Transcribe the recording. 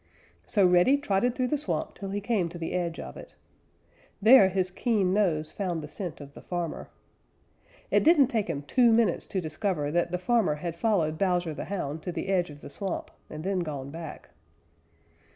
So Reddy trotted through the swamp till he came to the edge of it. There his keen nose found the scent of the farmer. It didn't take him two minutes to discover that the farmer had followed Bowser the Hound to the edge of the swamp and then gone back.